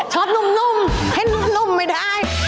ชอบนุ่มให้นุ่มไม่ได้